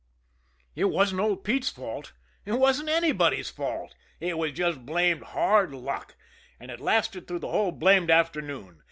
It wasn't old Pete's fault. It wasn't anybody's fault. It was just blamed hard luck, and it lasted through the whole blamed afternoon.